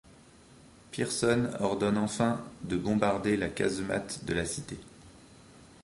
Pearson ordonne enfin de bombarder la casemate de la cité.